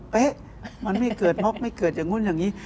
เอ๊ะมันไม่เกิดม็อกไม่เกิดอย่างนู้นอย่างนี้